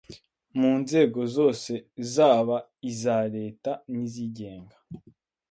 mu nzego zose zaba iza Leta n’izigenga